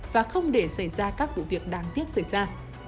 và không để xảy ra các vụ việc đáng tiếc xảy ra